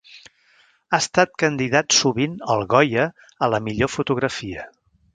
Ha estat candidat sovint al Goya a la millor fotografia.